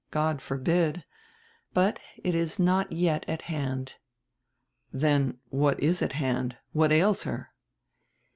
God forbid. But it is not yet at hand." "Then what is at hand? What ails her?"